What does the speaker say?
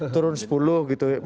dua belas turun sepuluh gitu